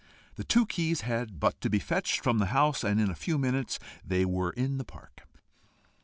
The two keys had but to be fetched from the house, and in a few minutes they were in the park.